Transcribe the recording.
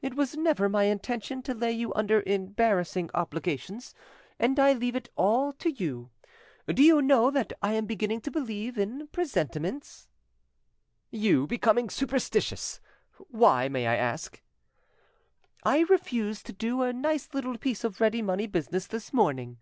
"It was never my intention to lay you under embarrassing obligations, and I leave it all to you. Do you know that I am beginning to believe in presentiments?" "You becoming superstitious! Why, may I ask?" "I refused to do a nice little piece of ready money business this morning."